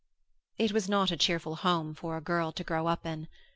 It was not a cheerful home for a girl to grow up in.